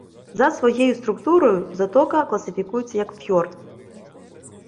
За своєю структурою затока класифікується як фйорд.